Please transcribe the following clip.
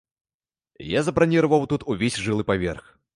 Я забраніраваў тут ўвесь жылы паверх.